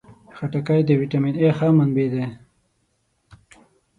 خټکی د ویټامین A ښه منبع ده.